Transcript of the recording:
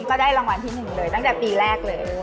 ก็ได้รางวัลที่๑เลยตั้งแต่ปีแรกเลย